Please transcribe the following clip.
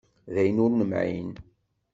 D ayen ur nemεin.